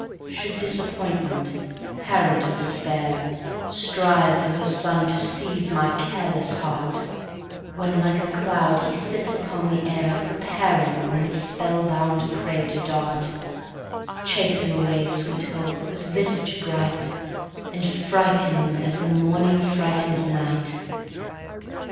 Should Disappointment, parent of Despair, Strive for her son to seize my careless heart; When, like a cloud, he sits upon the air, Preparing on his spell bound prey to dart:Chase him away, sweet Hope, with visage bright, And fright him as the morning frightens night!